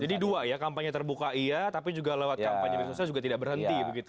jadi dua ya kampanye terbuka iya tapi juga lewat kampanye medsosnya juga tidak berhenti begitu